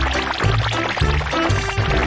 สวัสดีค่ะ